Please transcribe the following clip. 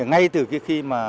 ngay từ khi